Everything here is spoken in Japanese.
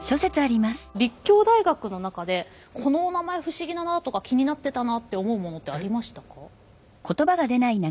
立教大学の中でこのおなまえ不思議だなとか気になってたなって思うものってありましたか？